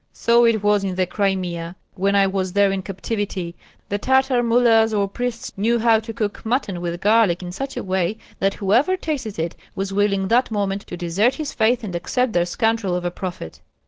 So it was in the Crimea, when I was there in captivity. The Tartar mullahs or priests knew how to cook mutton with garlic in such a way that whoever tasted it was willing that moment to desert his faith and accept their scoundrel of a prophet."